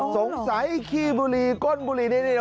อ๋อสงสัยไอ้ขี้บุหรี่ก้นบุหรี่นี่